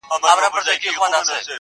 دا لا څه چي ټول دروغ وي ټول ریا وي -